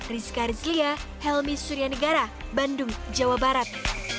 rizka rizlia helmi suryanegara bandung jawa barat